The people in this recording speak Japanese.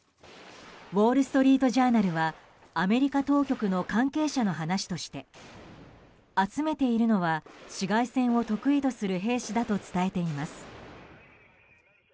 ウォール・ストリート・ジャーナルはアメリカ当局の関係者の話として集めているのは市街戦を得意とする兵士だと伝えています。